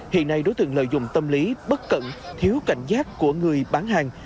hiện nay đối tượng lợi dụng tâm lý bất cẩn thiếu cảnh giác của người bán hàng